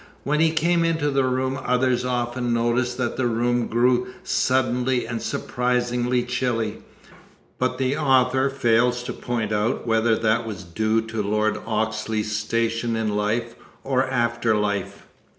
When he came into the room others often noticed that the room grew suddenly and surprisingly chilly, but the author fails to point out whether that was due to Lord Oxley's station in life or after life.